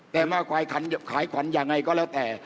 แต่มาขายขวัญอย่างไรก็แล้วแต่